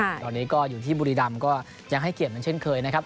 ตอนนี้ก็อยู่ที่บุรีรำก็ยังให้เกียรติเหมือนเช่นเคยนะครับ